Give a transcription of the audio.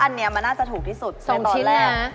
อันนี้ถูกกว่าครับ